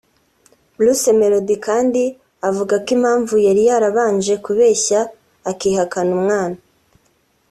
Bruce Melodie kandi avuga ko impamvu yari yarabanje kubeshya akihakana umwana